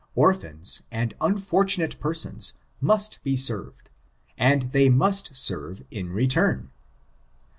Orphans, and unfortunate persons, must be served, and they must 8er\'e in return.